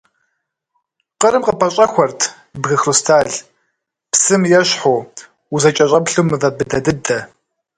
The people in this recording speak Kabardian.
Къырым къыппэщӏэхуэрт бгы хрусталь – псым ещхьу узэкӏэщӏэплъу мывэ быдэ дыдэ.